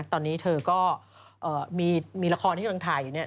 ตอนนี้เธอก็มีละครที่กำลังถ่ายอยู่เนี่ย